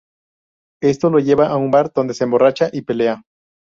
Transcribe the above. Esto lo lleva a un bar donde se emborracha y pelea.